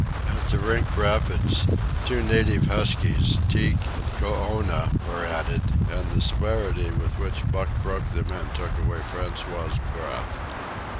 At the Rink Rapids two native huskies, Teek and Koona, were added; and the celerity with which Buck broke them in took away François's breath.